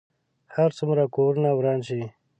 هر څومره کورونه وران شي.